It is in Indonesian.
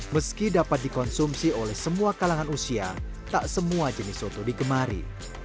meski dapat dikonsumsi oleh semua kalangan usia tak semua jenis soto digemari